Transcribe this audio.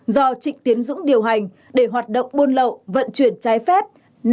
do trịnh tiến dũng điều hành để hoạt động buôn lậu vận chuyển trái phép